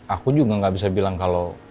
aku juga gak bisa bilang kalau